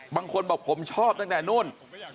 บางคนบอกผมชอบตั้งแต่นู่น